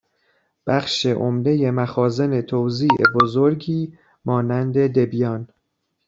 بخش عمدهٔ مخازن توزیع بزرگی مانند دبیان